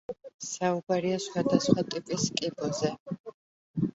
საუბარია სხვადასხვა ტიპის კიბოზე.